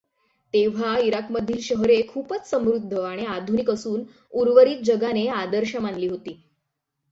तेव्हा इराकमधील शहरे खूपच समृद्ध आणि आधुनिक असून उर्वरित जगाने आदर्श मानली होती.